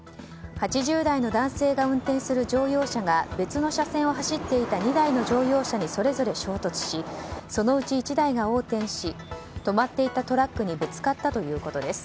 ８０代の男性が運転する乗用車が別の車線を走っていた２台の乗用車にそれぞれ衝突しそのうち１台が横転し止まっていたトラックにぶつかったということです。